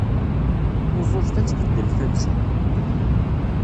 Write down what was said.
Tuzzuft ad tbeddel tansa.